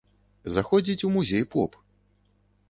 Заходзіць у музей поп.